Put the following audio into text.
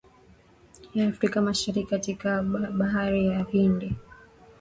ya afrika mashariki katika ba bahari ya hindi